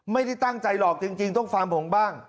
ไม่ได้ตั้งใจหรอกจริงต้องฟังผมบ้าง